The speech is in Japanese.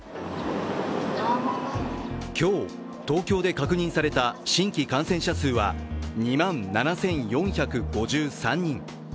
今日、東京で確認された新規感染者数は２万７４５３人。